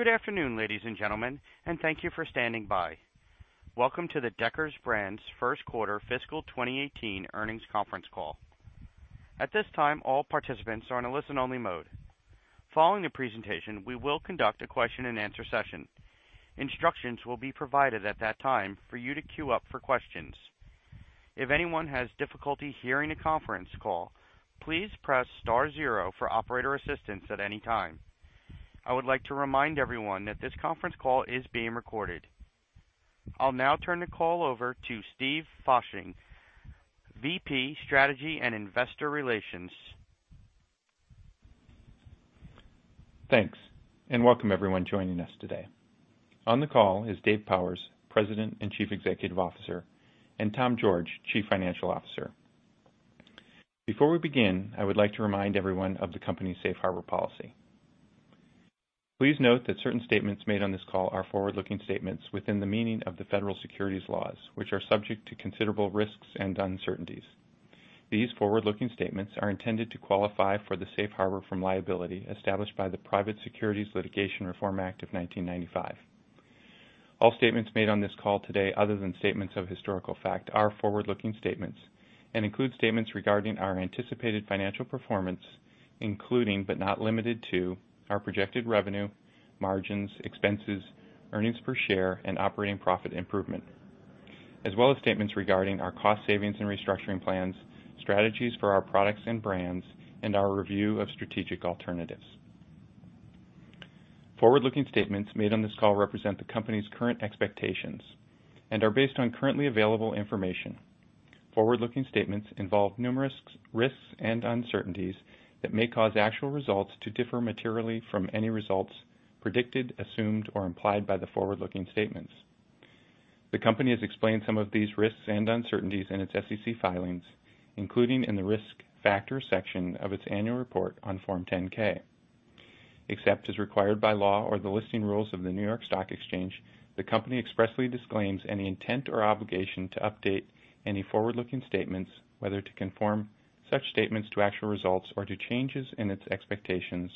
Good afternoon, ladies and gentlemen, and thank you for standing by. Welcome to the Deckers Brands' first quarter fiscal 2018 earnings conference call. At this time, all participants are in a listen-only mode. Following the presentation, we will conduct a question and answer session. Instructions will be provided at that time for you to queue up for questions. If anyone has difficulty hearing the conference call, please press star zero for operator assistance at any time. I'll now turn the call over to Steve Fasching, VP, Strategy and Investor Relations. Thanks, welcome everyone joining us today. On the call is Dave Powers, President and Chief Executive Officer, and Tom George, Chief Financial Officer. Before we begin, I would like to remind everyone of the company's safe harbor policy. Please note that certain statements made on this call are forward-looking statements within the meaning of the Federal Securities Laws, which are subject to considerable risks and uncertainties. These forward-looking statements are intended to qualify for the safe harbor from liability established by the Private Securities Litigation Reform Act of 1995. All statements made on this call today, other than statements of historical fact, are forward-looking statements and include statements regarding our anticipated financial performance, including, but not limited to, our projected revenue, margins, expenses, earnings per share, and operating profit improvement, as well as statements regarding our cost savings and restructuring plans, strategies for our products and brands, and our review of strategic alternatives. Forward-looking statements made on this call represent the company's current expectations and are based on currently available information. Forward-looking statements involve numerous risks and uncertainties that may cause actual results to differ materially from any results predicted, assumed or implied by the forward-looking statements. The company has explained some of these risks and uncertainties in its SEC filings, including in the Risk Factors section of its annual report on Form 10-K. Except as required by law or the listing rules of the New York Stock Exchange, the company expressly disclaims any intent or obligation to update any forward-looking statements, whether to conform such statements to actual results or to changes in its expectations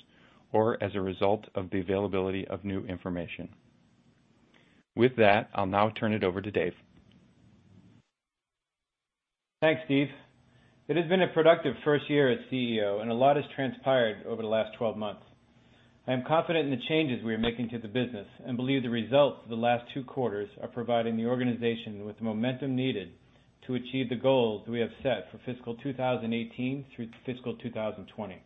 or as a result of the availability of new information. With that, I'll now turn it over to Dave. Thanks, Steve. It has been a productive first year as CEO, and a lot has transpired over the last 12 months. I am confident in the changes we are making to the business and believe the results of the last two quarters are providing the organization with the momentum needed to achieve the goals we have set for fiscal 2018 through to fiscal 2020.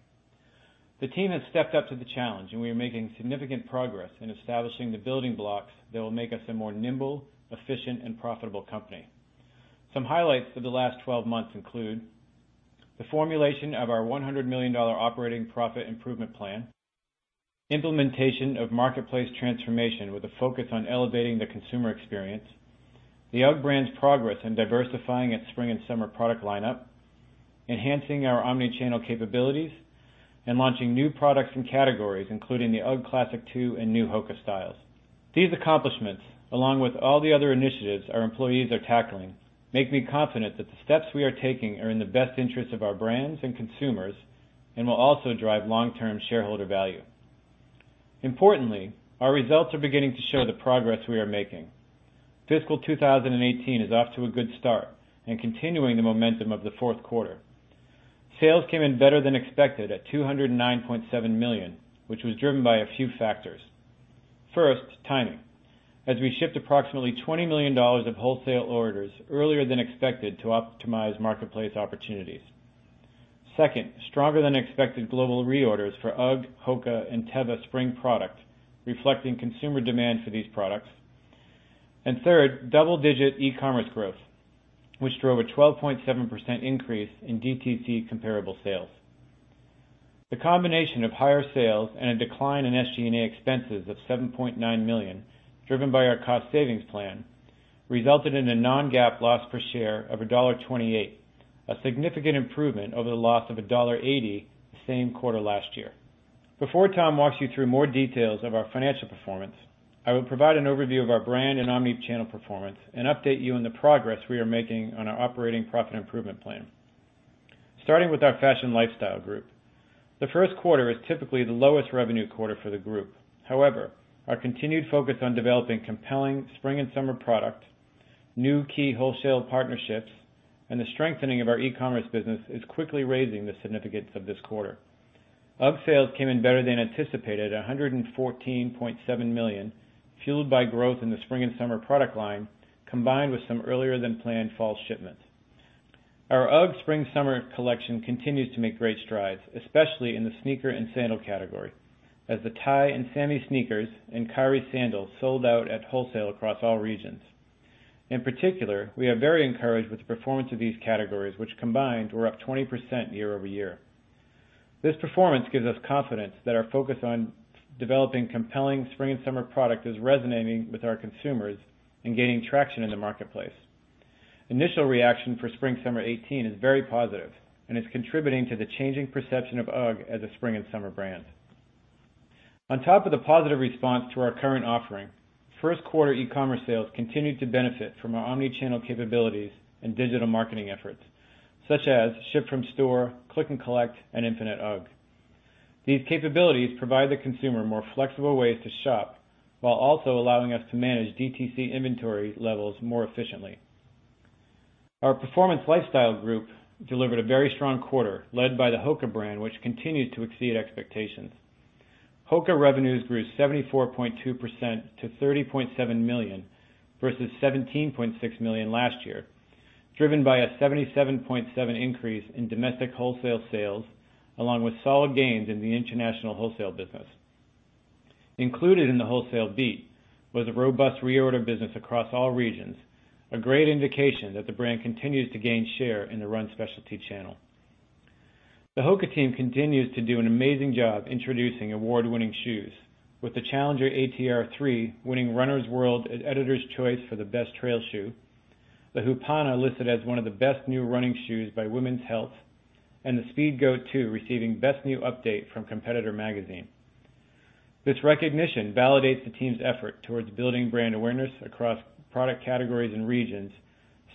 The team has stepped up to the challenge, and we are making significant progress in establishing the building blocks that will make us a more nimble, efficient, and profitable company. Some highlights of the last 12 months include the formulation of our $100 million operating profit improvement plan, implementation of marketplace transformation with a focus on elevating the consumer experience, the UGG brand's progress in diversifying its spring and summer product lineup, enhancing our omni-channel capabilities, and launching new products and categories, including the UGG Classic II and new HOKA styles. These accomplishments, along with all the other initiatives our employees are tackling, make me confident that the steps we are taking are in the best interest of our brands and consumers and will also drive long-term shareholder value. Importantly, our results are beginning to show the progress we are making. Fiscal 2018 is off to a good start and continuing the momentum of the fourth quarter. Sales came in better than expected at $209.7 million, which was driven by a few factors. First, timing, as we shipped approximately $20 million of wholesale orders earlier than expected to optimize marketplace opportunities. Second, stronger than expected global reorders for UGG, HOKA, and Teva spring product, reflecting consumer demand for these products. Third, double-digit e-commerce growth, which drove a 12.7% increase in DTC comparable sales. The combination of higher sales and a decline in SG&A expenses of $7.9 million, driven by our cost savings plan, resulted in a non-GAAP loss per share of $1.28, a significant improvement over the loss of $1.80 the same quarter last year. Before Tom walks you through more details of our financial performance, I will provide an overview of our brand and omni-channel performance and update you on the progress we are making on our operating profit improvement plan. Starting with our fashion lifestyle group, the first quarter is typically the lowest revenue quarter for the group. However, our continued focus on developing compelling spring and summer product, new key wholesale partnerships, and the strengthening of our e-commerce business is quickly raising the significance of this quarter. UGG sales came in better than anticipated at $114.7 million, fueled by growth in the spring and summer product line, combined with some earlier than planned fall shipments. Our UGG spring/summer collection continues to make great strides, especially in the sneaker and sandal category, as the Tye and Sammy sneakers and Kari sandals sold out at wholesale across all regions. In particular, we are very encouraged with the performance of these categories, which combined were up 20% year-over-year. This performance gives us confidence that our focus on developing compelling spring and summer product is resonating with our consumers and gaining traction in the marketplace. Initial reaction for spring/summer 2018 is very positive and is contributing to the changing perception of UGG as a spring and summer brand. On top of the positive response to our current offering, first quarter e-commerce sales continued to benefit from our omni-channel capabilities and digital marketing efforts. Such as ship from store, click and collect, and Infinite UGG. These capabilities provide the consumer more flexible ways to shop, while also allowing us to manage DTC inventory levels more efficiently. Our Performance Lifestyle group delivered a very strong quarter, led by the HOKA brand, which continued to exceed expectations. HOKA revenues grew 74.2% to $30.7 million versus $17.6 million last year, driven by a 77.7% increase in domestic wholesale sales, along with solid gains in the international wholesale business. Included in the wholesale beat was a robust reorder business across all regions, a great indication that the brand continues to gain share in the run specialty channel. The HOKA team continues to do an amazing job introducing award-winning shoes with the Challenger ATR 3 winning Runner's World Editor's Choice for the best trail shoe. The Hupana listed as one of the best new running shoes by Women's Health, and the Speedgoat 2 receiving best new update from Competitor Magazine. This recognition validates the team's effort towards building brand awareness across product categories and regions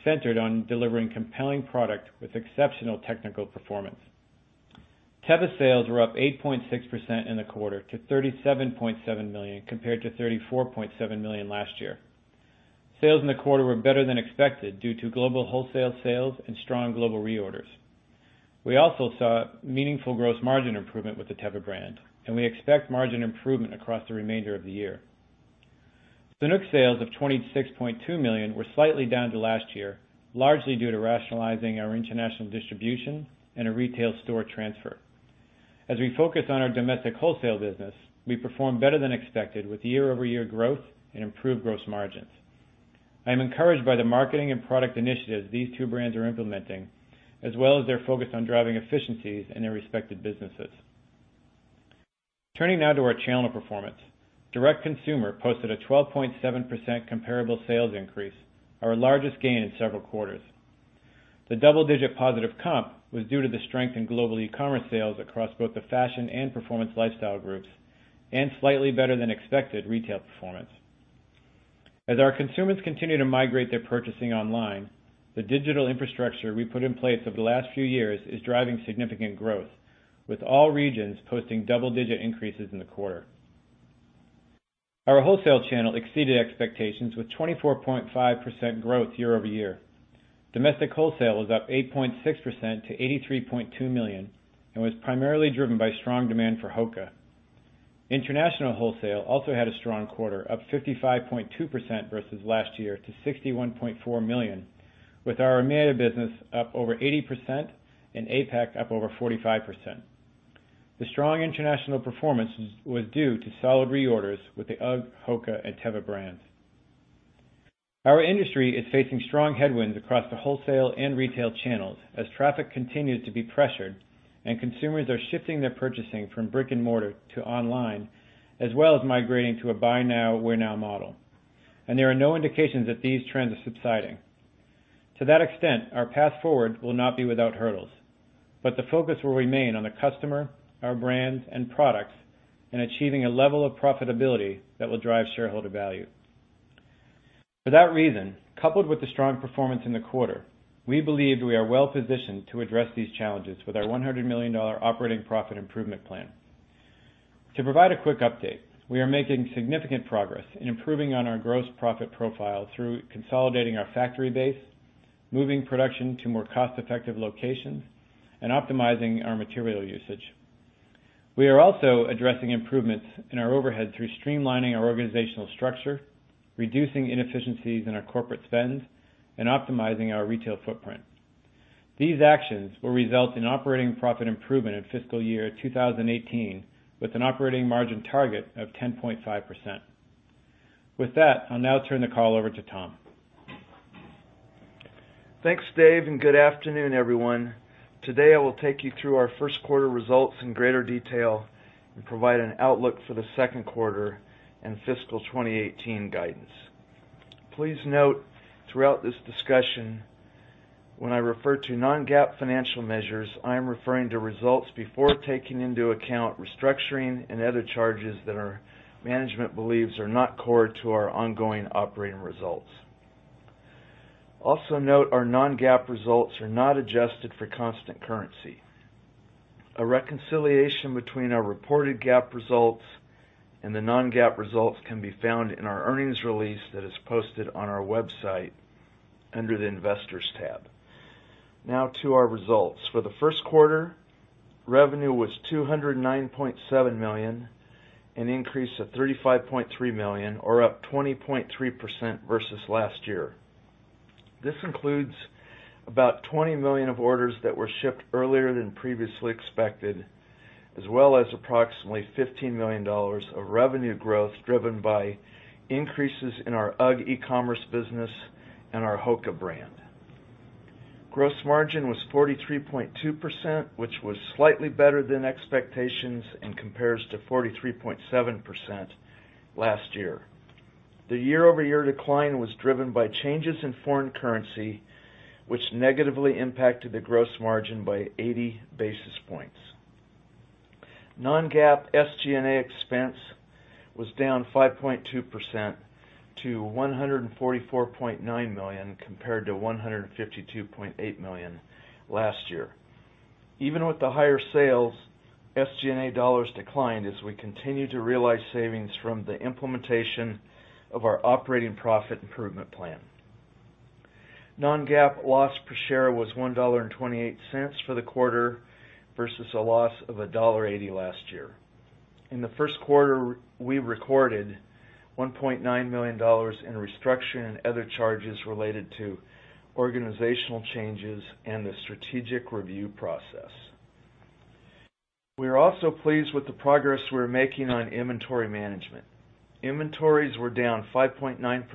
centered on delivering compelling product with exceptional technical performance. Teva sales were up 8.6% in the quarter to $37.7 million, compared to $34.7 million last year. Sales in the quarter were better than expected due to global wholesale sales and strong global reorders. We also saw meaningful gross margin improvement with the Teva brand. We expect margin improvement across the remainder of the year. Sanuk sales of $26.2 million were slightly down to last year, largely due to rationalizing our international distribution and a retail store transfer. As we focus on our domestic wholesale business, we perform better than expected with year-over-year growth and improved gross margins. Turning now to our channel performance. Direct consumer posted a 12.7% comparable sales increase, our largest gain in several quarters. The double-digit positive comp was due to the strength in global e-commerce sales across both the fashion and performance lifestyle groups, and slightly better than expected retail performance. As our consumers continue to migrate their purchasing online, the digital infrastructure we put in place over the last few years is driving significant growth, with all regions posting double-digit increases in the quarter. Our wholesale channel exceeded expectations with 24.5% growth year-over-year. Domestic wholesale was up 8.6% to $83.2 million and was primarily driven by strong demand for HOKA. International wholesale also had a strong quarter, up 55.2% versus last year to $61.4 million, with our EMEA business up over 80% and APAC up over 45%. The strong international performance was due to solid reorders with the UGG, HOKA, and Teva brands. Our industry is facing strong headwinds across the wholesale and retail channels as traffic continues to be pressured and consumers are shifting their purchasing from brick and mortar to online, as well as migrating to a buy now, wear now model. There are no indications that these trends are subsiding. To that extent, our path forward will not be without hurdles, but the focus will remain on the customer, our brands and products, and achieving a level of profitability that will drive shareholder value. For that reason, coupled with the strong performance in the quarter, we believe we are well-positioned to address these challenges with our $100 million operating profit improvement plan. To provide a quick update, we are making significant progress in improving on our gross profit profile through consolidating our factory base, moving production to more cost-effective locations, and optimizing our material usage. We are also addressing improvements in our overhead through streamlining our organizational structure, reducing inefficiencies in our corporate spend, and optimizing our retail footprint. These actions will result in operating profit improvement in fiscal year 2018, with an operating margin target of 10.5%. With that, I'll now turn the call over to Tom. Thanks, Dave, and good afternoon, everyone. Today, I will take you through our first quarter results in greater detail and provide an outlook for the second quarter and fiscal 2018 guidance. Please note throughout this discussion when I refer to non-GAAP financial measures, I am referring to results before taking into account restructuring and other charges that our management believes are not core to our ongoing operating results. Also note our non-GAAP results are not adjusted for constant currency. A reconciliation between our reported GAAP results and the non-GAAP results can be found in our earnings release that is posted on our website under the Investors tab. Now to our results. For the first quarter, revenue was $209.7 million, an increase of $35.3 million, or up 20.3% versus last year. This includes about $20 million of orders that were shipped earlier than previously expected, as well as approximately $15 million of revenue growth driven by increases in our UGG e-commerce business and our HOKA brand. Gross margin was 43.2%, which was slightly better than expectations and compares to 43.7% last year. The year-over-year decline was driven by changes in foreign currency, which negatively impacted the gross margin by 80 basis points. Non-GAAP SG&A expense was down 5.2% to $144.9 million, compared to $152.8 million last year. Even with the higher sales, SG&A dollars declined as we continue to realize savings from the implementation of our operating profit improvement plan. Non-GAAP loss per share was $1.28 for the quarter versus a loss of $1.80 last year. In the first quarter, we recorded $1.9 million in restructuring and other charges related to organizational changes and the strategic review process. We are also pleased with the progress we're making on inventory management. Inventories were down 5.9%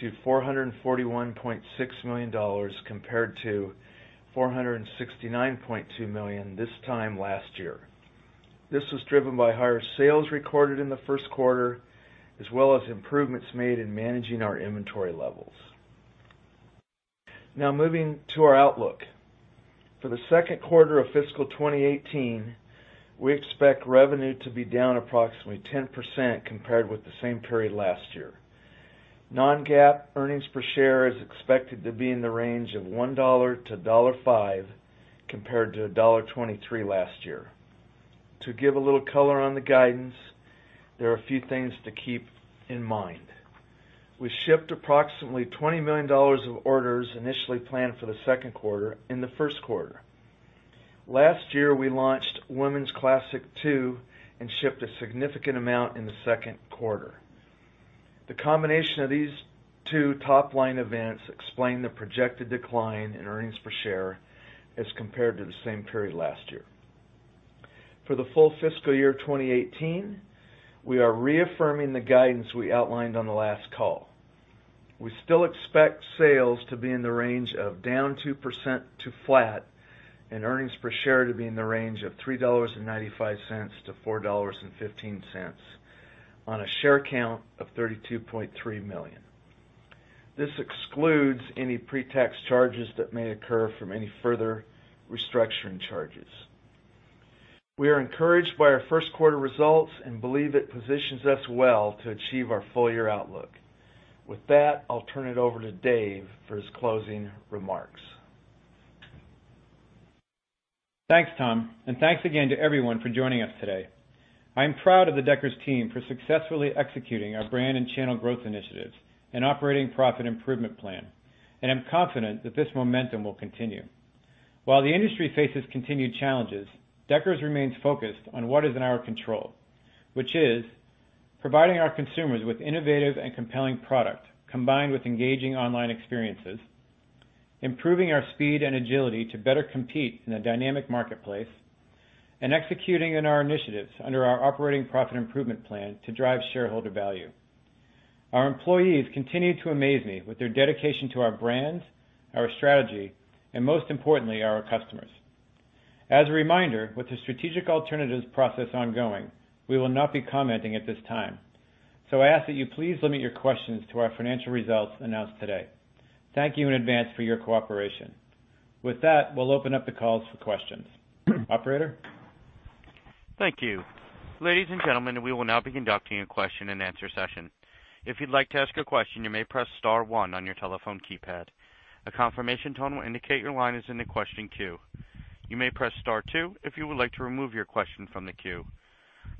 to $441.6 million compared to $469.2 million this time last year. This was driven by higher sales recorded in the first quarter, as well as improvements made in managing our inventory levels. Now moving to our outlook. For the second quarter of fiscal 2018, we expect revenue to be down approximately 10% compared with the same period last year. Non-GAAP earnings per share is expected to be in the range of $1-$1.5, compared to $1.23 last year. To give a little color on the guidance, there are a few things to keep in mind. We shipped approximately $20 million of orders initially planned for the second quarter in the first quarter. Last year, we launched Women's Classic II and shipped a significant amount in the second quarter. The combination of these two top-line events explain the projected decline in earnings per share as compared to the same period last year. For the full fiscal year 2018, we are reaffirming the guidance we outlined on the last call. We still expect sales to be in the range of down 2% to flat, and earnings per share to be in the range of $3.95-$4.15 on a share count of 32.3 million. This excludes any pre-tax charges that may occur from any further restructuring charges. We are encouraged by our first quarter results and believe it positions us well to achieve our full-year outlook. With that, I'll turn it over to Dave for his closing remarks. Thanks, Tom, and thanks again to everyone for joining us today. I'm proud of the Deckers team for successfully executing our brand and channel growth initiatives and operating profit improvement plan, and I'm confident that this momentum will continue. While the industry faces continued challenges, Deckers remains focused on what is in our control, which is providing our consumers with innovative and compelling product, combined with engaging online experiences, improving our speed and agility to better compete in a dynamic marketplace, and executing on our initiatives under our operating profit improvement plan to drive shareholder value. Our employees continue to amaze me with their dedication to our brands, our strategy, and most importantly, our customers. As a reminder, with the strategic alternatives process ongoing, we will not be commenting at this time, so I ask that you please limit your questions to our financial results announced today. Thank you in advance for your cooperation. With that, we'll open up the calls for questions. Operator? Thank you. Ladies and gentlemen, we will now be conducting a question and answer session. If you'd like to ask a question, you may press star one on your telephone keypad. A confirmation tone will indicate your line is in the question queue. You may press star two if you would like to remove your question from the queue.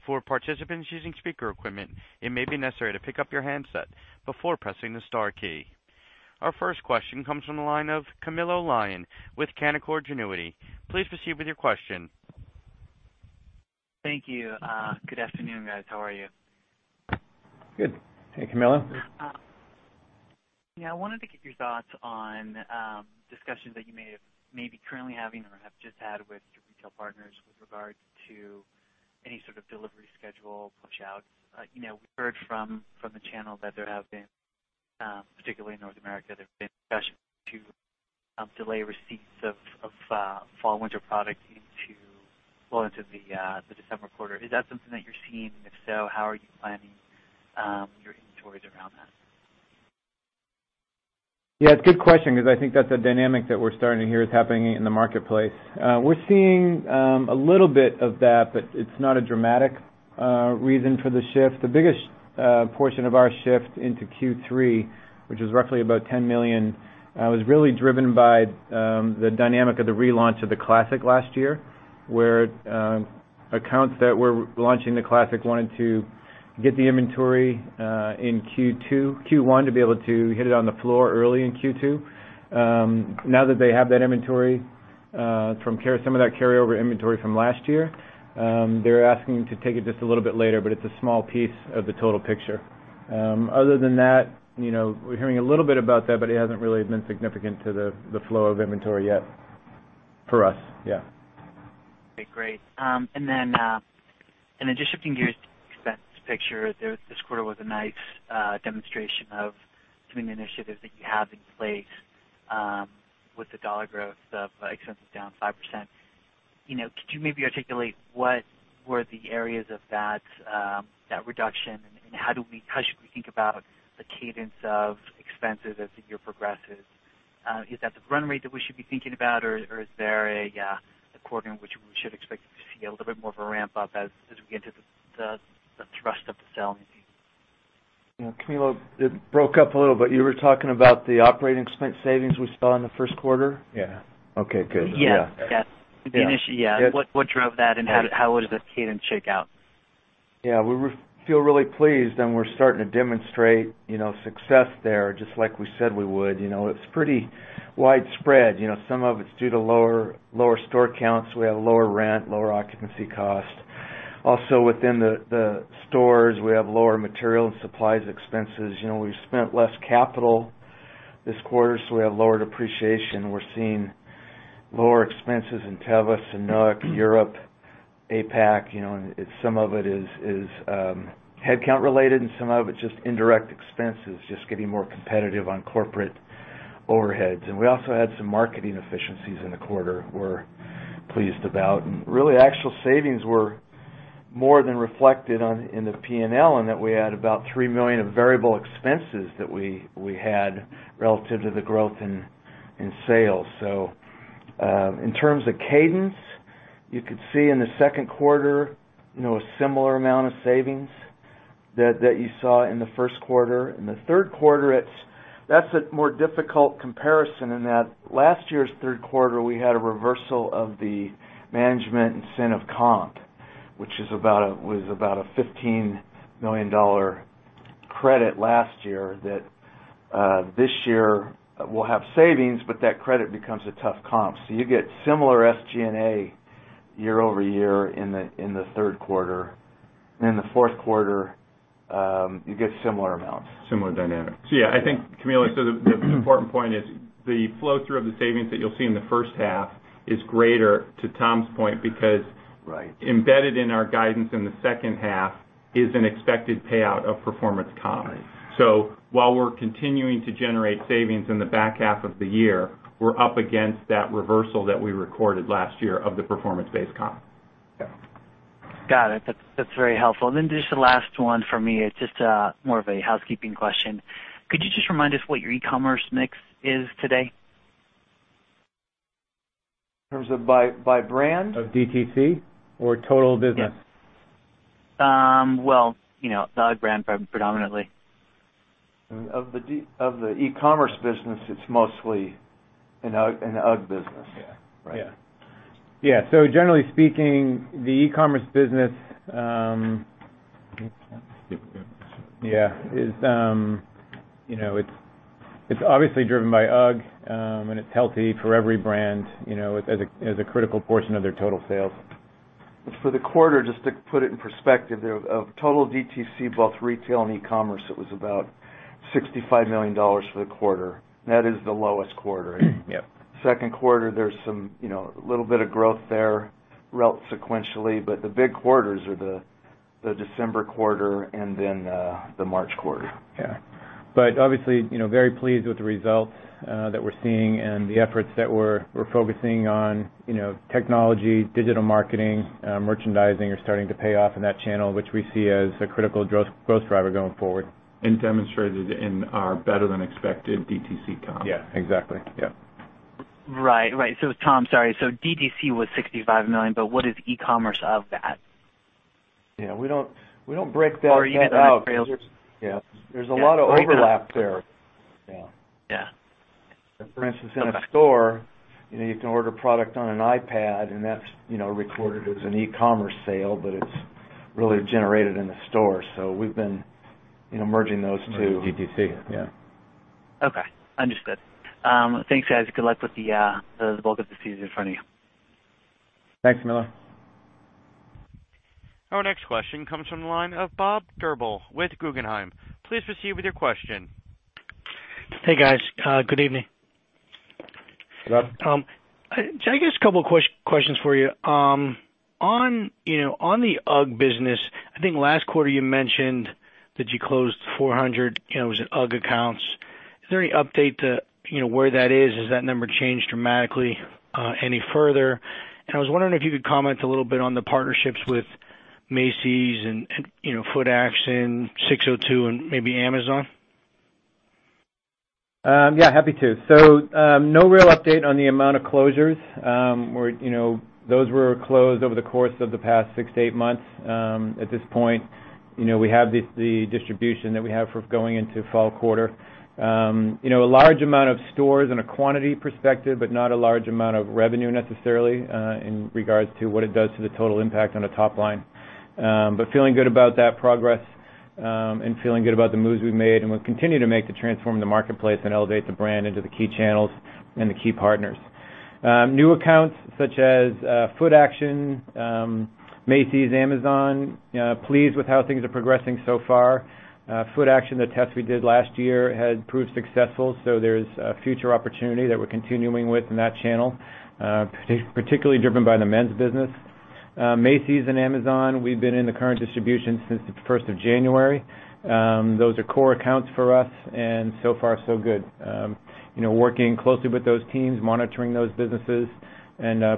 For participants using speaker equipment, it may be necessary to pick up your handset before pressing the star key. Our first question comes from the line of Camilo Lyon with Canaccord Genuity. Please proceed with your question. Thank you. Good afternoon, guys. How are you? Good. Hey, Camilo. Yeah, I wanted to get your thoughts on discussions that you may be currently having or have just had with your retail partners with regard to any sort of delivery schedule pushouts. We've heard from the channel that there have been, particularly in North America, there have been discussions to delay receipts of fall/winter product into the December quarter. Is that something that you're seeing? If so, how are you planning your inventories around that? Yeah, it's a good question because I think that's a dynamic that we're starting to hear is happening in the marketplace. We're seeing a little bit of that, but it's not a dramatic reason for the shift. The biggest portion of our shift into Q3, which was roughly about $10 million, was really driven by the dynamic of the relaunch of the Classic last year, where accounts that were launching the Classic wanted to get the inventory in Q1 to be able to hit it on the floor early in Q2. Now that they have that inventory from some of that carryover inventory from last year, they're asking to take it just a little bit later, but it's a small piece of the total picture. Other than that, we're hearing a little bit about that, but it hasn't really been significant to the flow of inventory yet for us. Yeah. Okay, great. Then, just shifting gears to the expense picture, this quarter was a nice demonstration of some of the initiatives that you have in place with the dollar growth of expenses down 5%. Could you maybe articulate what were the areas of that reduction, and how should we think about the cadence of expenses as the year progresses? Is that the run rate that we should be thinking about? Is there a quarter in which we should expect to see a little bit more of a ramp up as we get into the thrust of the sell maybe? Camilo, it broke up a little bit. You were talking about the operating expense savings we saw in the first quarter? Yeah. Okay, good. What drove that and how does that cadence shake out? We feel really pleased, and we're starting to demonstrate success there, just like we said we would. It's pretty widespread. Some of it's due to lower store counts. We have lower rent, lower occupancy cost. Also within the stores, we have lower material and supplies expenses. We've spent less capital this quarter, so we have lower depreciation. We're seeing lower expenses in Tevas and UGG, Europe, APAC. Some of it is headcount related and some of it's just indirect expenses, just getting more competitive on corporate overheads. We also had some marketing efficiencies in the quarter we're pleased about. Really, actual savings were more than reflected in the P&L in that we had about $3 million of variable expenses that we had relative to the growth in sales. In terms of cadence, you could see in the second quarter a similar amount of savings that you saw in the first quarter. In the third quarter, that's a more difficult comparison in that last year's third quarter, we had a reversal of the management incentive comp, which was about a $15 million credit last year that this year will have savings, but that credit becomes a tough comp. You get similar SG&A year-over-year in the third quarter. In the fourth quarter, you get similar amounts. Similar dynamics. Yeah, I think, Camilo, the important point is the flow through of the savings that you'll see in the first half is greater, to Tom's point. Right embedded in our guidance in the second half is an expected payout of performance comp. Right. While we're continuing to generate savings in the back half of the year, we're up against that reversal that we recorded last year of the performance-based comp. Yeah. Got it. That's very helpful. Just the last one for me, it's just more of a housekeeping question. Could you just remind us what your e-commerce mix is today? In terms of by brand? Of DTC or total business? Yeah. Well, the UGG brand predominantly. Of the e-commerce business, it's mostly an UGG business. Generally speaking, the e-commerce business is obviously driven by UGG, and it's healthy for every brand as a critical portion of their total sales. For the quarter, just to put it in perspective, of total DTC, both retail and e-commerce, it was about $65 million for the quarter. That is the lowest quarter. Yep. Second quarter, there's a little bit of growth there sequentially, the big quarters are the December quarter and the March quarter. Obviously, very pleased with the results that we're seeing and the efforts that we're focusing on, technology, digital marketing, merchandising are starting to pay off in that channel, which we see as a critical growth driver going forward. Demonstrated in our better than expected DTC comp. Yeah, exactly. Yeah. Right. Tom, sorry. DTC was $65 million, but what is e-commerce of that? Yeah, we don't break that out. [Or edit out]. Yeah. There's a lot of overlap there. Yeah. For instance, in a store, you can order a product on an iPad, and that's recorded as an e-commerce sale, but it's really generated in the store. We've been merging those two. Merging DTC, yeah. Okay, understood. Thanks, guys. Good luck with the bulk of the season in front of you. Thanks, Camilo. Our next question comes from the line of Bob Drbul with Guggenheim. Please proceed with your question. Hey, guys. Good evening. Good evening. I guess a couple of questions for you. On the UGG business, I think last quarter you mentioned that you closed 400, was it UGG accounts? Is there any update to where that is? Has that number changed dramatically any further? I was wondering if you could comment a little bit on the partnerships with Macy's and Footaction, SIX:02, and maybe Amazon. Happy to. No real update on the amount of closures. Those were closed over the course of the past six to eight months. At this point, we have the distribution that we have for going into fall quarter. A large amount of stores in a quantity perspective, but not a large amount of revenue necessarily, in regards to what it does to the total impact on the top line. Feeling good about that progress, feeling good about the moves we've made, we'll continue to make to transform the marketplace and elevate the brand into the key channels and the key partners. New accounts such as Footaction, Macy's, Amazon, pleased with how things are progressing so far. Footaction, the test we did last year had proved successful, there's a future opportunity that we're continuing with in that channel, particularly driven by the men's business. Macy's and Amazon, we've been in the current distribution since the 1st of January. Those are core accounts for us, so far so good. Working closely with those teams, monitoring those businesses,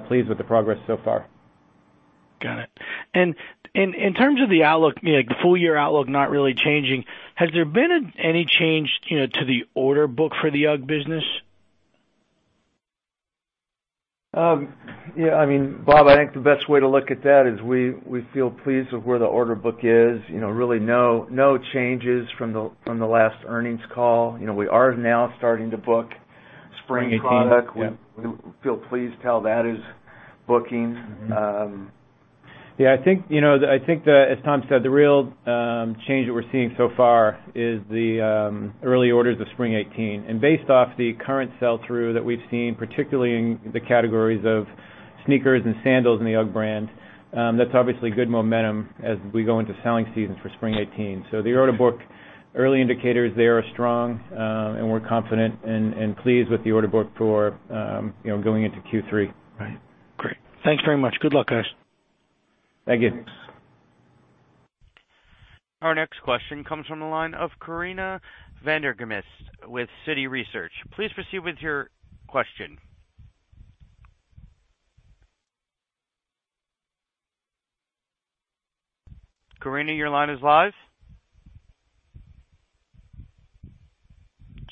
pleased with the progress so far. Got it. In terms of the full-year outlook not really changing, has there been any change to the order book for the UGG business? Yeah, Bob, I think the best way to look at that is we feel pleased with where the order book is. Really no changes from the last earnings call. We are now starting to book spring product. 18. Yeah. We feel pleased how that is booking. Yeah. I think that as Tom said, the real change that we're seeing so far is the early orders of spring 2018. Based off the current sell-through that we've seen, particularly in the categories of sneakers and sandals in the UGG brand, that's obviously good momentum as we go into selling season for spring 2018. The order book, early indicators there are strong, and we're confident and pleased with the order book for going into Q3. Right. Great. Thanks very much. Good luck, guys. Thank you. Thanks. Our next question comes from the line of Corinna van der Ghinst with Citi Research. Please proceed with your question. Corinna, your line is live.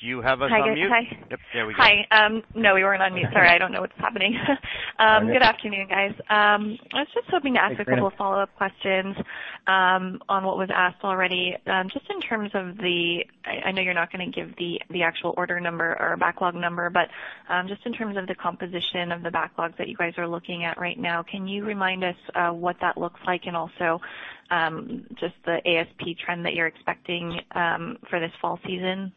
Do you have us on mute? Hi guys. Hi. Yep, there we go. Hi. No, we weren't on mute. Sorry, I don't know what's happening. Good afternoon, guys. I was just hoping to ask- Hi, Corinna. A couple follow-up questions on what was asked already. Just in terms of the I know you're not going to give the actual order number or backlog number, but just in terms of the composition of the backlogs that you guys are looking at right now, can you remind us what that looks like, and also just the ASP trend that you're expecting for this fall season?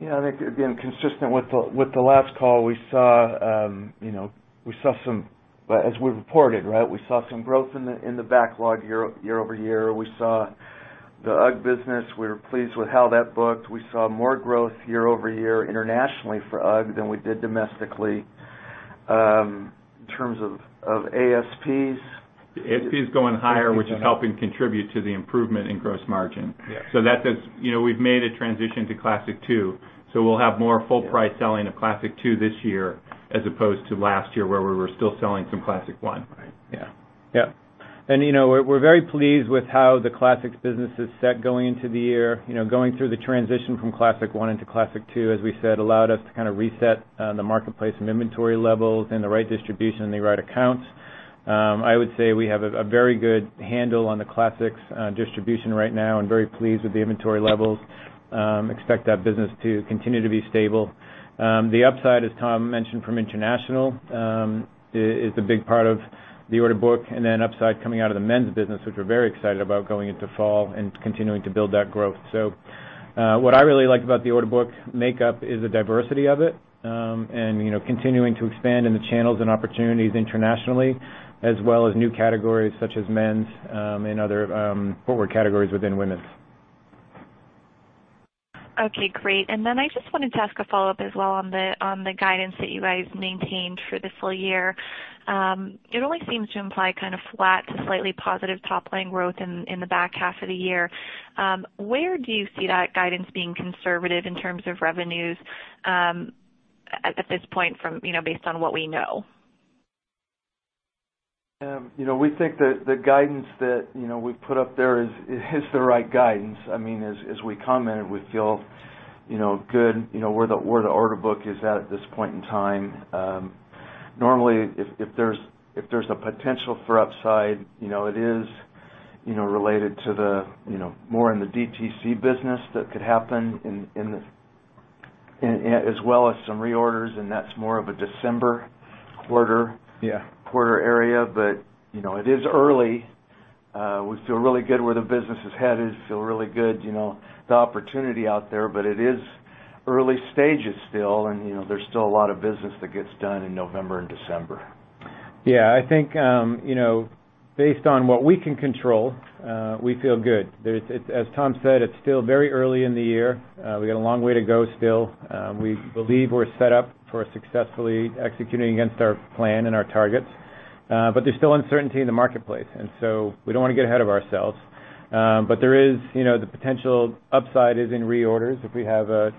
Yeah, I think again, consistent with the last call as we reported, right? We saw some growth in the backlog year-over-year. We saw the UGG business. We were pleased with how that booked. We saw more growth year-over-year internationally for UGG than we did domestically. In terms of ASPs. ASPs going higher, which is helping contribute to the improvement in gross margin. Yeah. That says we've made a transition to Classic II, we'll have more full price selling of Classic II this year as opposed to last year, where we were still selling some Classic I. Right. Yeah. Yeah. We're very pleased with how the Classics business is set going into the year. Going through the transition from Classic I into Classic II, as we said, allowed us to kind of reset the marketplace and inventory levels and the right distribution and the right accounts. I would say we have a very good handle on the Classics distribution right now and very pleased with the inventory levels. Expect that business to continue to be stable. The upside, as Tom mentioned from international, is the big part of the order book, then upside coming out of the men's business, which we're very excited about going into fall and continuing to build that growth. What I really like about the order book makeup is the diversity of it, and continuing to expand in the channels and opportunities internationally, as well as new categories such as men's, and other forward categories within women's. Okay, great. I just wanted to ask a follow-up as well on the guidance that you guys maintained for the full year. It only seems to imply kind of flat to slightly positive top-line growth in the back half of the year. Where do you see that guidance being conservative in terms of revenues at this point, based on what we know? We think that the guidance that we've put up there is the right guidance. As we commented, we feel good where the order book is at at this point in time. Normally, if there's a potential for upside, it is related more in the DTC business that could happen, as well as some reorders, and that's more of a December quarter- Yeah quarter area. It is early. We feel really good where the business is headed, feel really good, the opportunity out there. It is early stages still, and there's still a lot of business that gets done in November and December. I think, based on what we can control, we feel good. As Tom said, it's still very early in the year. We've got a long way to go still. We believe we're set up for successfully executing against our plan and our targets. There's still uncertainty in the marketplace, and so we don't want to get ahead of ourselves. The potential upside is in reorders. If we have a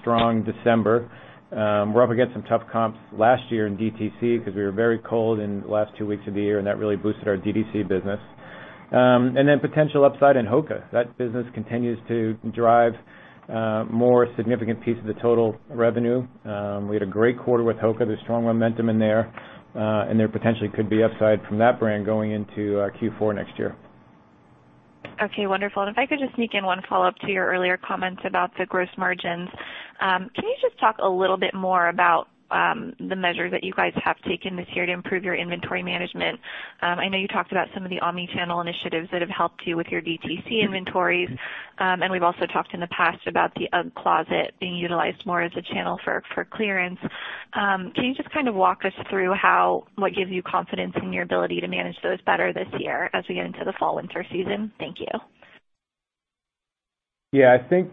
strong December. We're up against some tough comps last year in DTC because we were very cold in the last two weeks of the year, and that really boosted our DTC business. Potential upside in HOKA. That business continues to drive more significant piece of the total revenue. We had a great quarter with HOKA. There's strong momentum in there, and there potentially could be upside from that brand going into Q4 next year. Wonderful. If I could just sneak in one follow-up to your earlier comments about the gross margins. Can you just talk a little bit more about the measures that you guys have taken this year to improve your inventory management? I know you talked about some of the omni-channel initiatives that have helped you with your DTC inventories. We've also talked in the past about the UGG Closet being utilized more as a channel for clearance. Can you just kind of walk us through what gives you confidence in your ability to manage those better this year as we get into the fall/winter season? Thank you. Yeah, I think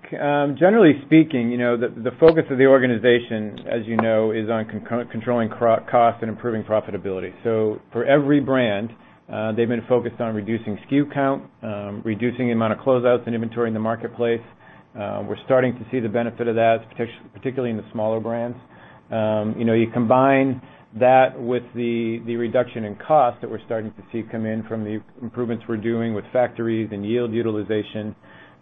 generally speaking, the focus of the organization, as you know, is on controlling cost and improving profitability. For every brand, they've been focused on reducing SKU count, reducing the amount of closeouts and inventory in the marketplace. We're starting to see the benefit of that, particularly in the smaller brands. You combine that with the reduction in cost that we're starting to see come in from the improvements we're doing with factories and yield utilization.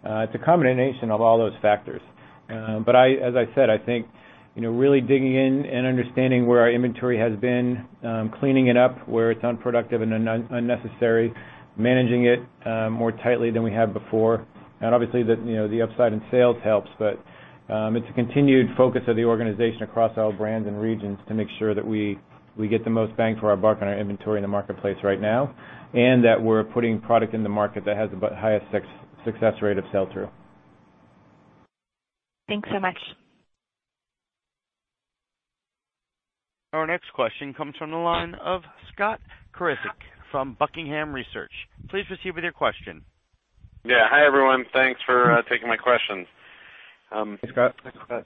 It's a combination of all those factors. As I said, I think really digging in and understanding where our inventory has been, cleaning it up where it's unproductive and unnecessary, managing it more tightly than we have before. Obviously, the upside in sales helps. It's a continued focus of the organization across all brands and regions to make sure that we get the most bang for our buck on our inventory in the marketplace right now, and that we're putting product in the market that has the highest success rate of sell-through. Thanks so much. Our next question comes from the line of Scott Krasik from Buckingham Research. Please proceed with your question. Yeah. Hi, everyone. Thanks for taking my questions. Hey, Scott. Hey, Scott.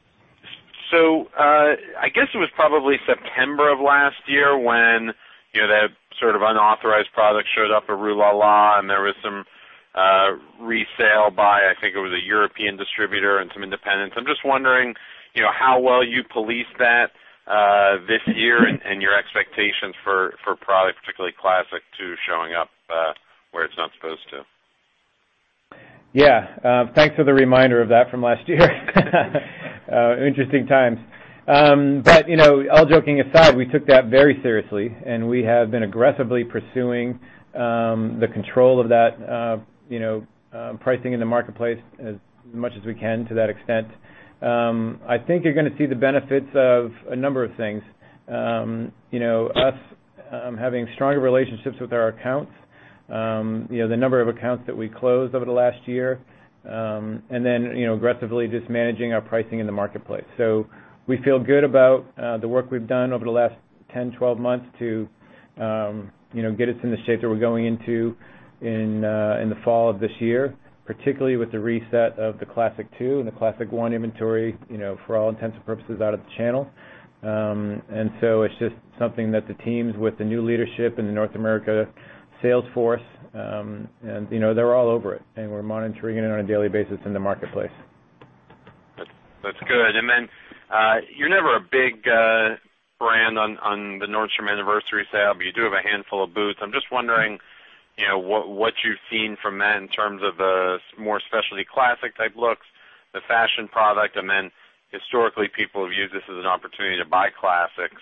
I guess it was probably September of last year when that sort of unauthorized product showed up at Rue La La, and there was some resale by, I think it was a European distributor and some independents. I'm just wondering how well you police that this year and your expectations for product, particularly Classic II, showing up where it's not supposed to. Yeah. Thanks for the reminder of that from last year. Interesting times. All joking aside, we took that very seriously and we have been aggressively pursuing the control of that pricing in the marketplace as much as we can to that extent. I think you're going to see the benefits of a number of things. Us having stronger relationships with our accounts, the number of accounts that we closed over the last year, and then aggressively just managing our pricing in the marketplace. We feel good about the work we've done over the last 10, 12 months to get us in the shape that we're going into in the fall of this year, particularly with the reset of the Classic II and the Classic I inventory for all intents and purposes out of the channel. It's just something that the teams with the new leadership in the North America sales force, they're all over it, and we're monitoring it on a daily basis in the marketplace. That's good. Then, you're never a big brand on the Nordstrom Anniversary Sale, but you do have a handful of boots. I'm just wondering what you've seen from that in terms of the more specialty classic-type looks, the fashion product, then historically, people have used this as an opportunity to buy classics.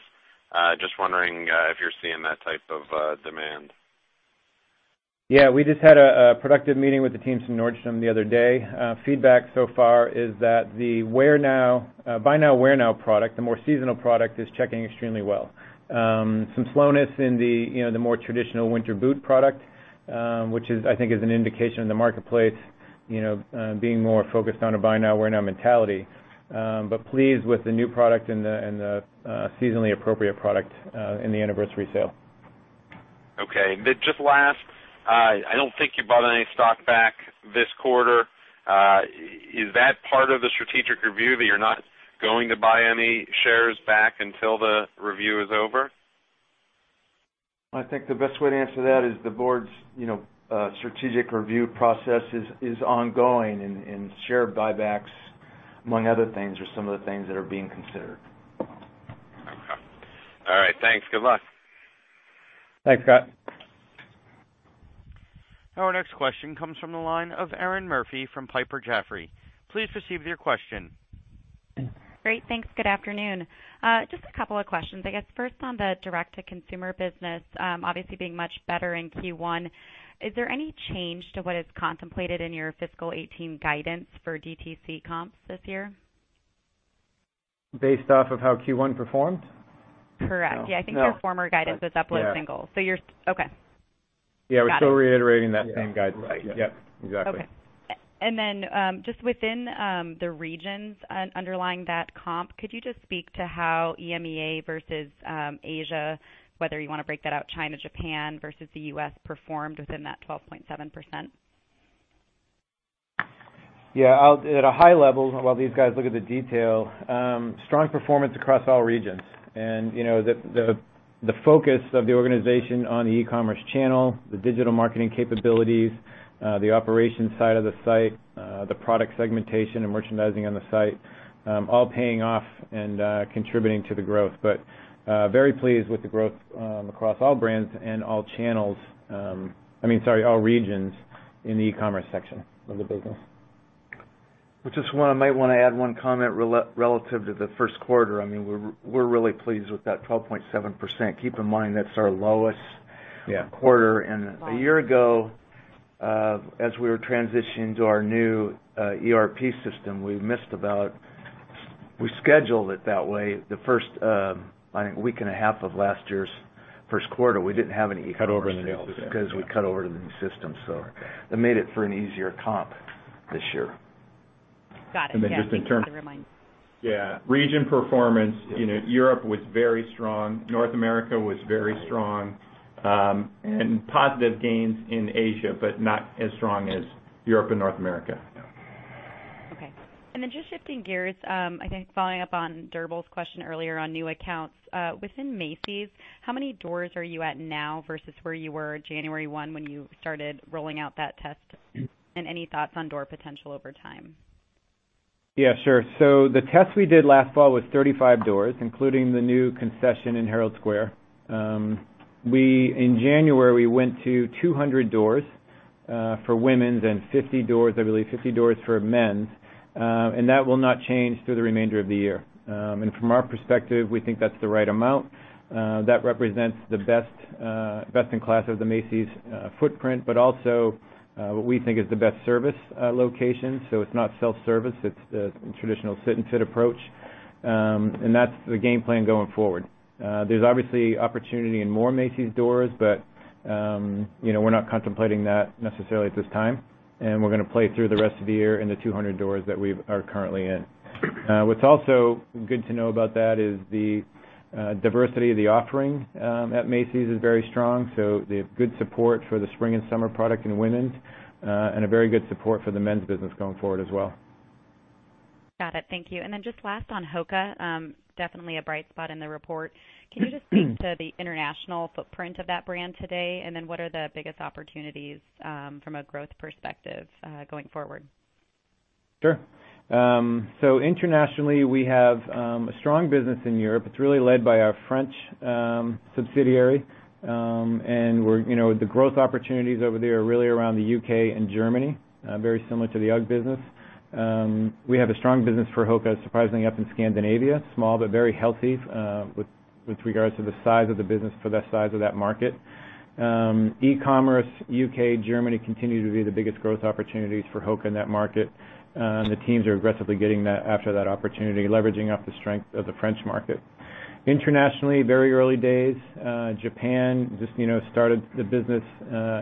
Just wondering if you're seeing that type of demand. Yeah, we just had a productive meeting with the teams from Nordstrom the other day. Feedback so far is that the buy now, wear now product, the more seasonal product, is checking extremely well. Some slowness in the more traditional winter boot product, which I think is an indication of the marketplace being more focused on a buy now, wear now mentality. Pleased with the new product and the seasonally appropriate product in the anniversary sale. Okay. Just last, I don't think you bought any stock back this quarter. Is that part of the strategic review, that you're not going to buy any shares back until the review is over? I think the best way to answer that is the board's strategic review process is ongoing. Share buybacks, among other things, are some of the things that are being considered. Okay. All right, thanks. Good luck. Thanks, Scott. Our next question comes from the line of Erinn Murphy from Piper Jaffray. Please proceed with your question. Great. Thanks. Good afternoon. Just two questions. I guess first on the direct-to-consumer business, obviously being much better in Q1, is there any change to what is contemplated in your fiscal 2018 guidance for DTC comps this year? Based off of how Q1 performed? Correct. No. Yeah, I think your former guidance was up low singles. Yeah. Okay. Got it. Yeah, we're still reiterating that same guidance. Yeah. Yep, exactly. Okay. Just within the regions underlying that comp, could you just speak to how EMEA versus Asia, whether you want to break that out, China, Japan versus the U.S., performed within that 12.7%? Yeah, at a high level, while these guys look at the detail, strong performance across all regions. The focus of the organization on the e-commerce channel, the digital marketing capabilities, the operations side of the site, the product segmentation and merchandising on the site, all paying off and contributing to the growth. Very pleased with the growth across all brands and all channels, sorry, all regions in the e-commerce section of the business. I just might want to add one comment relative to the first quarter. We're really pleased with that 12.7%. Keep in mind, that's our lowest- Yeah quarter. A year ago, as we were transitioning to our new ERP system, we scheduled it that way. The first, I think, week and a half of last year's first quarter, we didn't have any e-commerce sales because we cut over to the new system. That made it for an easier comp this year. Got it. Yeah. Thank you for the reminder. Region performance, Europe was very strong. North America was very strong. Positive gains in Asia, not as strong as Europe and North America. Yeah. Okay. Just shifting gears, I think following up on Drbul's question earlier on new accounts. Within Macy's, how many doors are you at now versus where you were January 1 when you started rolling out that test? Any thoughts on door potential over time? Yeah, sure. The test we did last fall was 35 doors, including the new concession in Herald Square. In January, we went to 200 doors for women's and 50 doors, I believe, for men's. That will not change through the remainder of the year. From our perspective, we think that's the right amount. That represents the best in class of the Macy's footprint, also what we think is the best service location. It's not self-service, it's the traditional sit-and-fit approach. That's the game plan going forward. There's obviously opportunity in more Macy's doors, we're not contemplating that necessarily at this time, we're going to play through the rest of the year in the 200 doors that we are currently in. What's also good to know about that is the diversity of the offering at Macy's is very strong. They have good support for the spring and summer product in women's very good support for the men's business going forward as well. Got it. Thank you. Just last on HOKA. Definitely a bright spot in the report. Can you just speak to the international footprint of that brand today? What are the biggest opportunities from a growth perspective going forward? Sure. Internationally, we have a strong business in Europe. It's really led by our French subsidiary. The growth opportunities over there are really around the U.K. and Germany, very similar to the UGG business. We have a strong business for HOKA, surprisingly, up in Scandinavia. Small but very healthy with regards to the size of the business for that size of that market. E-commerce, U.K., Germany continue to be the biggest growth opportunities for HOKA in that market. The teams are aggressively getting after that opportunity, leveraging off the strength of the French market. Internationally, very early days. Japan just started the business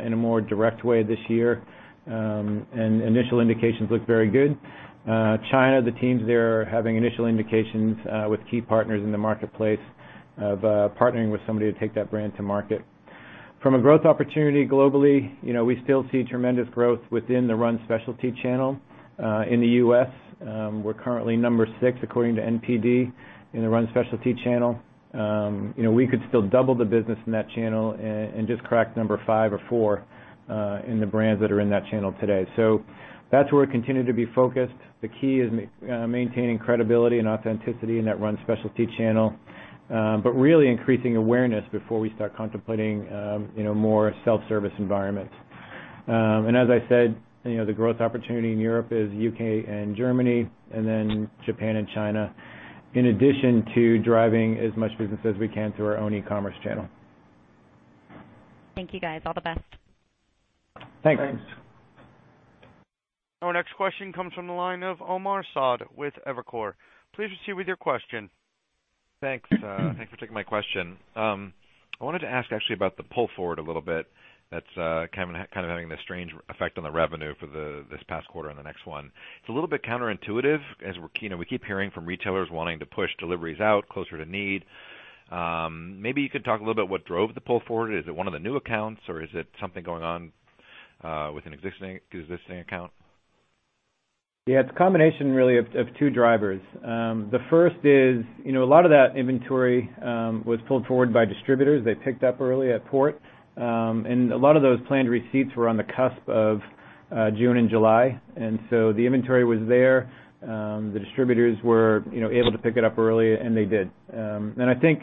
in a more direct way this year, initial indications look very good. China, the teams there are having initial indications with key partners in the marketplace of partnering with somebody to take that brand to market. From a growth opportunity globally, we still see tremendous growth within the run specialty channel. In the U.S., we're currently number 6, according to NPD, in the run specialty channel. We could still double the business in that channel and just crack number 5 or 4 in the brands that are in that channel today. That's where we're continuing to be focused. The key is maintaining credibility and authenticity in that run specialty channel. Really increasing awareness before we start contemplating more self-service environments. As I said, the growth opportunity in Europe is U.K. and Germany, then Japan and China, in addition to driving as much business as we can through our own e-commerce channel. Thank you, guys. All the best. Thanks. Thanks. Our next question comes from the line of Omar Saad with Evercore. Please proceed with your question. Thanks for taking my question. I wanted to ask actually about the pull forward a little bit that's kind of having this strange effect on the revenue for this past quarter and the next one. It's a little bit counterintuitive as we keep hearing from retailers wanting to push deliveries out closer to need. Maybe you could talk a little bit what drove the pull forward. Is it one of the new accounts, or is it something going on with an existing account? Yeah. It's a combination really of two drivers. The first is a lot of that inventory was pulled forward by distributors. They picked up early at port. A lot of those planned receipts were on the cusp of June and July. The inventory was there. The distributors were able to pick it up early, and they did. I think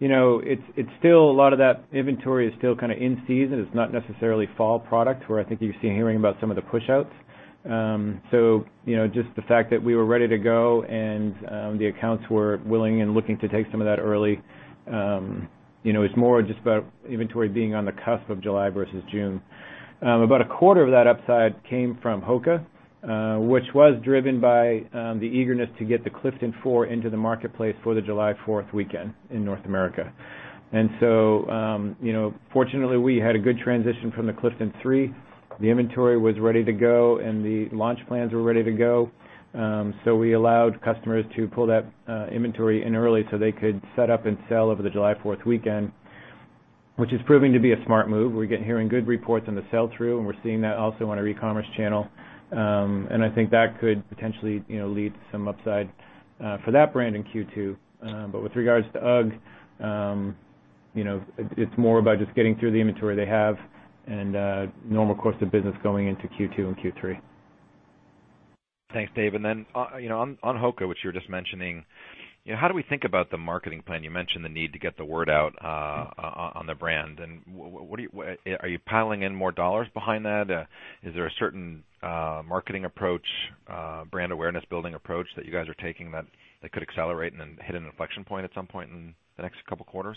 a lot of that inventory is still kind of in season. It's not necessarily fall product where I think you're hearing about some of the push-outs. Just the fact that we were ready to go and the accounts were willing and looking to take some of that early. It's more just about inventory being on the cusp of July versus June. About a quarter of that upside came from HOKA, which was driven by the eagerness to get the Clifton 4 into the marketplace for the July 4th weekend in North America. Fortunately, we had a good transition from the Clifton 3. The inventory was ready to go, and the launch plans were ready to go. We allowed customers to pull that inventory in early so they could set up and sell over the July 4th weekend, which is proving to be a smart move. We're hearing good reports on the sell-through, and we're seeing that also on our e-commerce channel. I think that could potentially lead to some upside for that brand in Q2. With regards to UGG, it's more about just getting through the inventory they have and normal course of business going into Q2 and Q3. Thanks, Dave. On HOKA, which you were just mentioning, how do we think about the marketing plan? You mentioned the need to get the word out on the brand. Are you piling in more dollars behind that? Is there a certain marketing approach, brand awareness building approach that you guys are taking that could accelerate and then hit an inflection point at some point in the next couple of quarters?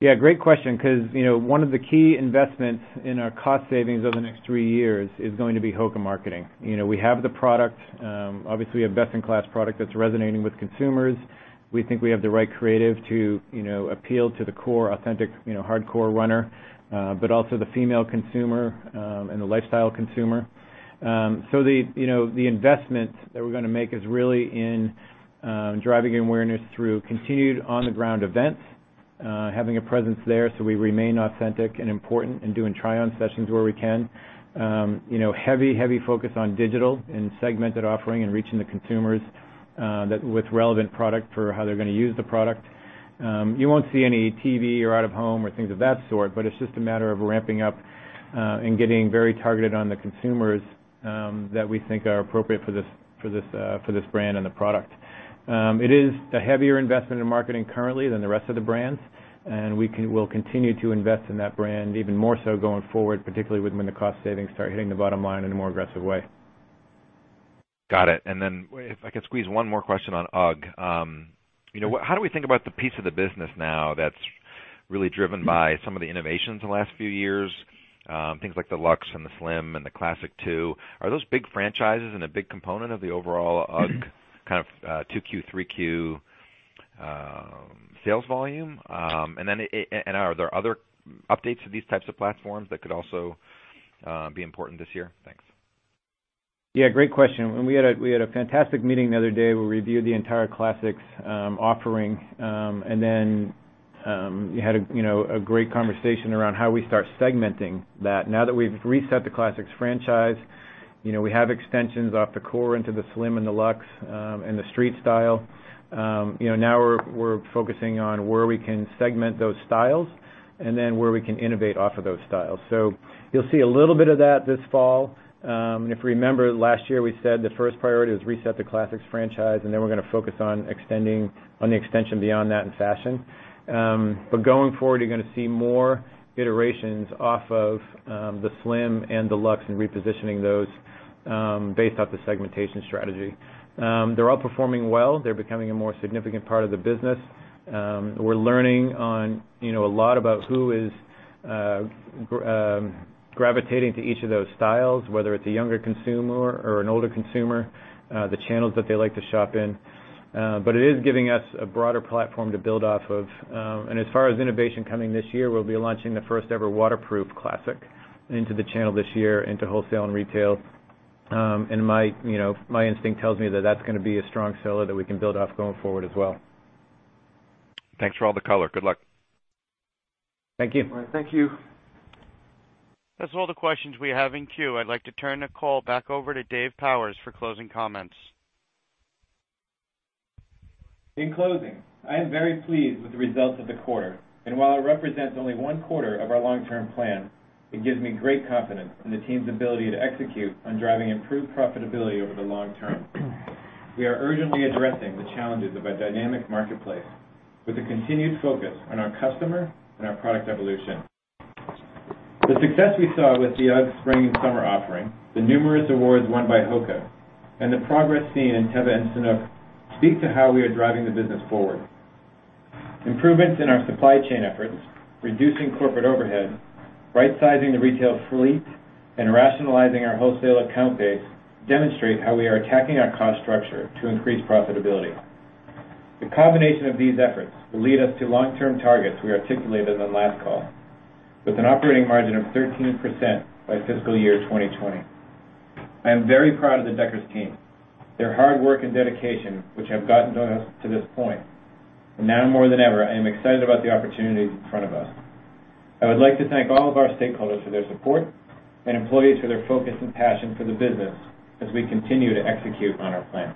Yeah. Great question because one of the key investments in our cost savings over the next three years is going to be HOKA marketing. We have the product. Obviously, a best-in-class product that's resonating with consumers. We think we have the right creative to appeal to the core authentic hardcore runner but also the female consumer and the lifestyle consumer. The investment that we're going to make is really in driving awareness through continued on-the-ground events, having a presence there so we remain authentic and important in doing try-on sessions where we can. Heavy focus on digital and segmented offering and reaching the consumers with relevant product for how they're going to use the product. You won't see any TV or out-of-home or things of that sort. It's just a matter of ramping up and getting very targeted on the consumers that we think are appropriate for this brand and the product. It is a heavier investment in marketing currently than the rest of the brands. We will continue to invest in that brand even more so going forward, particularly when the cost savings start hitting the bottom line in a more aggressive way. Got it. If I could squeeze one more question on UGG. How do we think about the piece of the business now that's really driven by some of the innovations in the last few years, things like the Luxe and the Slim and the Classic II? Are those big franchises and a big component of the overall UGG kind of 2Q, 3Q sales volume? Are there other updates to these types of platforms that could also be important this year? Thanks. Great question. We had a fantastic meeting the other day where we reviewed the entire Classics offering, and then we had a great conversation around how we start segmenting that. Now that we've reset the Classics franchise, we have extensions off the core into the Slim and the Luxe and the street style. Now we're focusing on where we can segment those styles and then where we can innovate off of those styles. You'll see a little bit of that this fall. And if you remember last year, we said the first priority was reset the Classics franchise, and then we're going to focus on the extension beyond that in fashion. But going forward, you're going to see more iterations off of the Slim and the Luxe and repositioning those based off the segmentation strategy. They're all performing well. They're becoming a more significant part of the business. We're learning a lot about who is gravitating to each of those styles, whether it's a younger consumer or an older consumer, the channels that they like to shop in. But it is giving us a broader platform to build off of. And as far as innovation coming this year, we'll be launching the first-ever waterproof Classic into the channel this year, into wholesale and retail. And my instinct tells me that that's going to be a strong seller that we can build off going forward as well. Thanks for all the color. Good luck. Thank you. All right. Thank you. That's all the questions we have in queue. I'd like to turn the call back over to Dave Powers for closing comments. In closing, I am very pleased with the results of the quarter. While it represents only one quarter of our long-term plan, it gives me great confidence in the team's ability to execute on driving improved profitability over the long term. We are urgently addressing the challenges of a dynamic marketplace with a continued focus on our customer and our product evolution. The success we saw with the UGG spring and summer offering, the numerous awards won by HOKA, and the progress seen in Teva and Sanuk speak to how we are driving the business forward. Improvements in our supply chain efforts, reducing corporate overhead, right-sizing the retail fleet, and rationalizing our wholesale account base demonstrate how we are attacking our cost structure to increase profitability. The combination of these efforts will lead us to long-term targets we articulated on the last call, with an operating margin of 13% by fiscal year 2020. I am very proud of the Deckers team, their hard work and dedication, which have gotten us to this point. Now more than ever, I am excited about the opportunities in front of us. I would like to thank all of our stakeholders for their support and employees for their focus and passion for the business as we continue to execute on our plan.